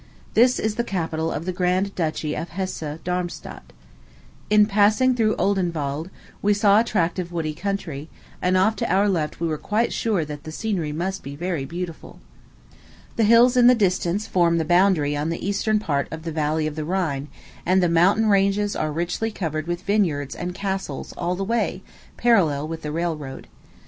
This is the capital of the grand duchy of Hesse Darmstadt. In passing through Odenwald, we saw a tract of woody country; and off to our left we were quite sure that the scenery must be very beautiful. The hills in the distance form the boundary on the eastern part of the valley of the Rhine; and the mountain ranges are richly covered with vineyards and castles all the way, parallel with the railroad.